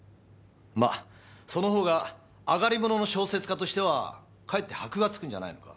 まあそのほうがあがりものの小説家としてはかえって箔がつくんじゃないのか？